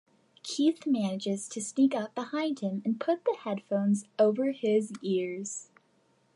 Keith manages to sneak up behind him and put the headphones over his ears.